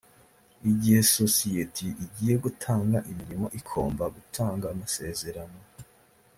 igihe sosiyeti igiye gutanga imirimo ikomba gutanga amasezerano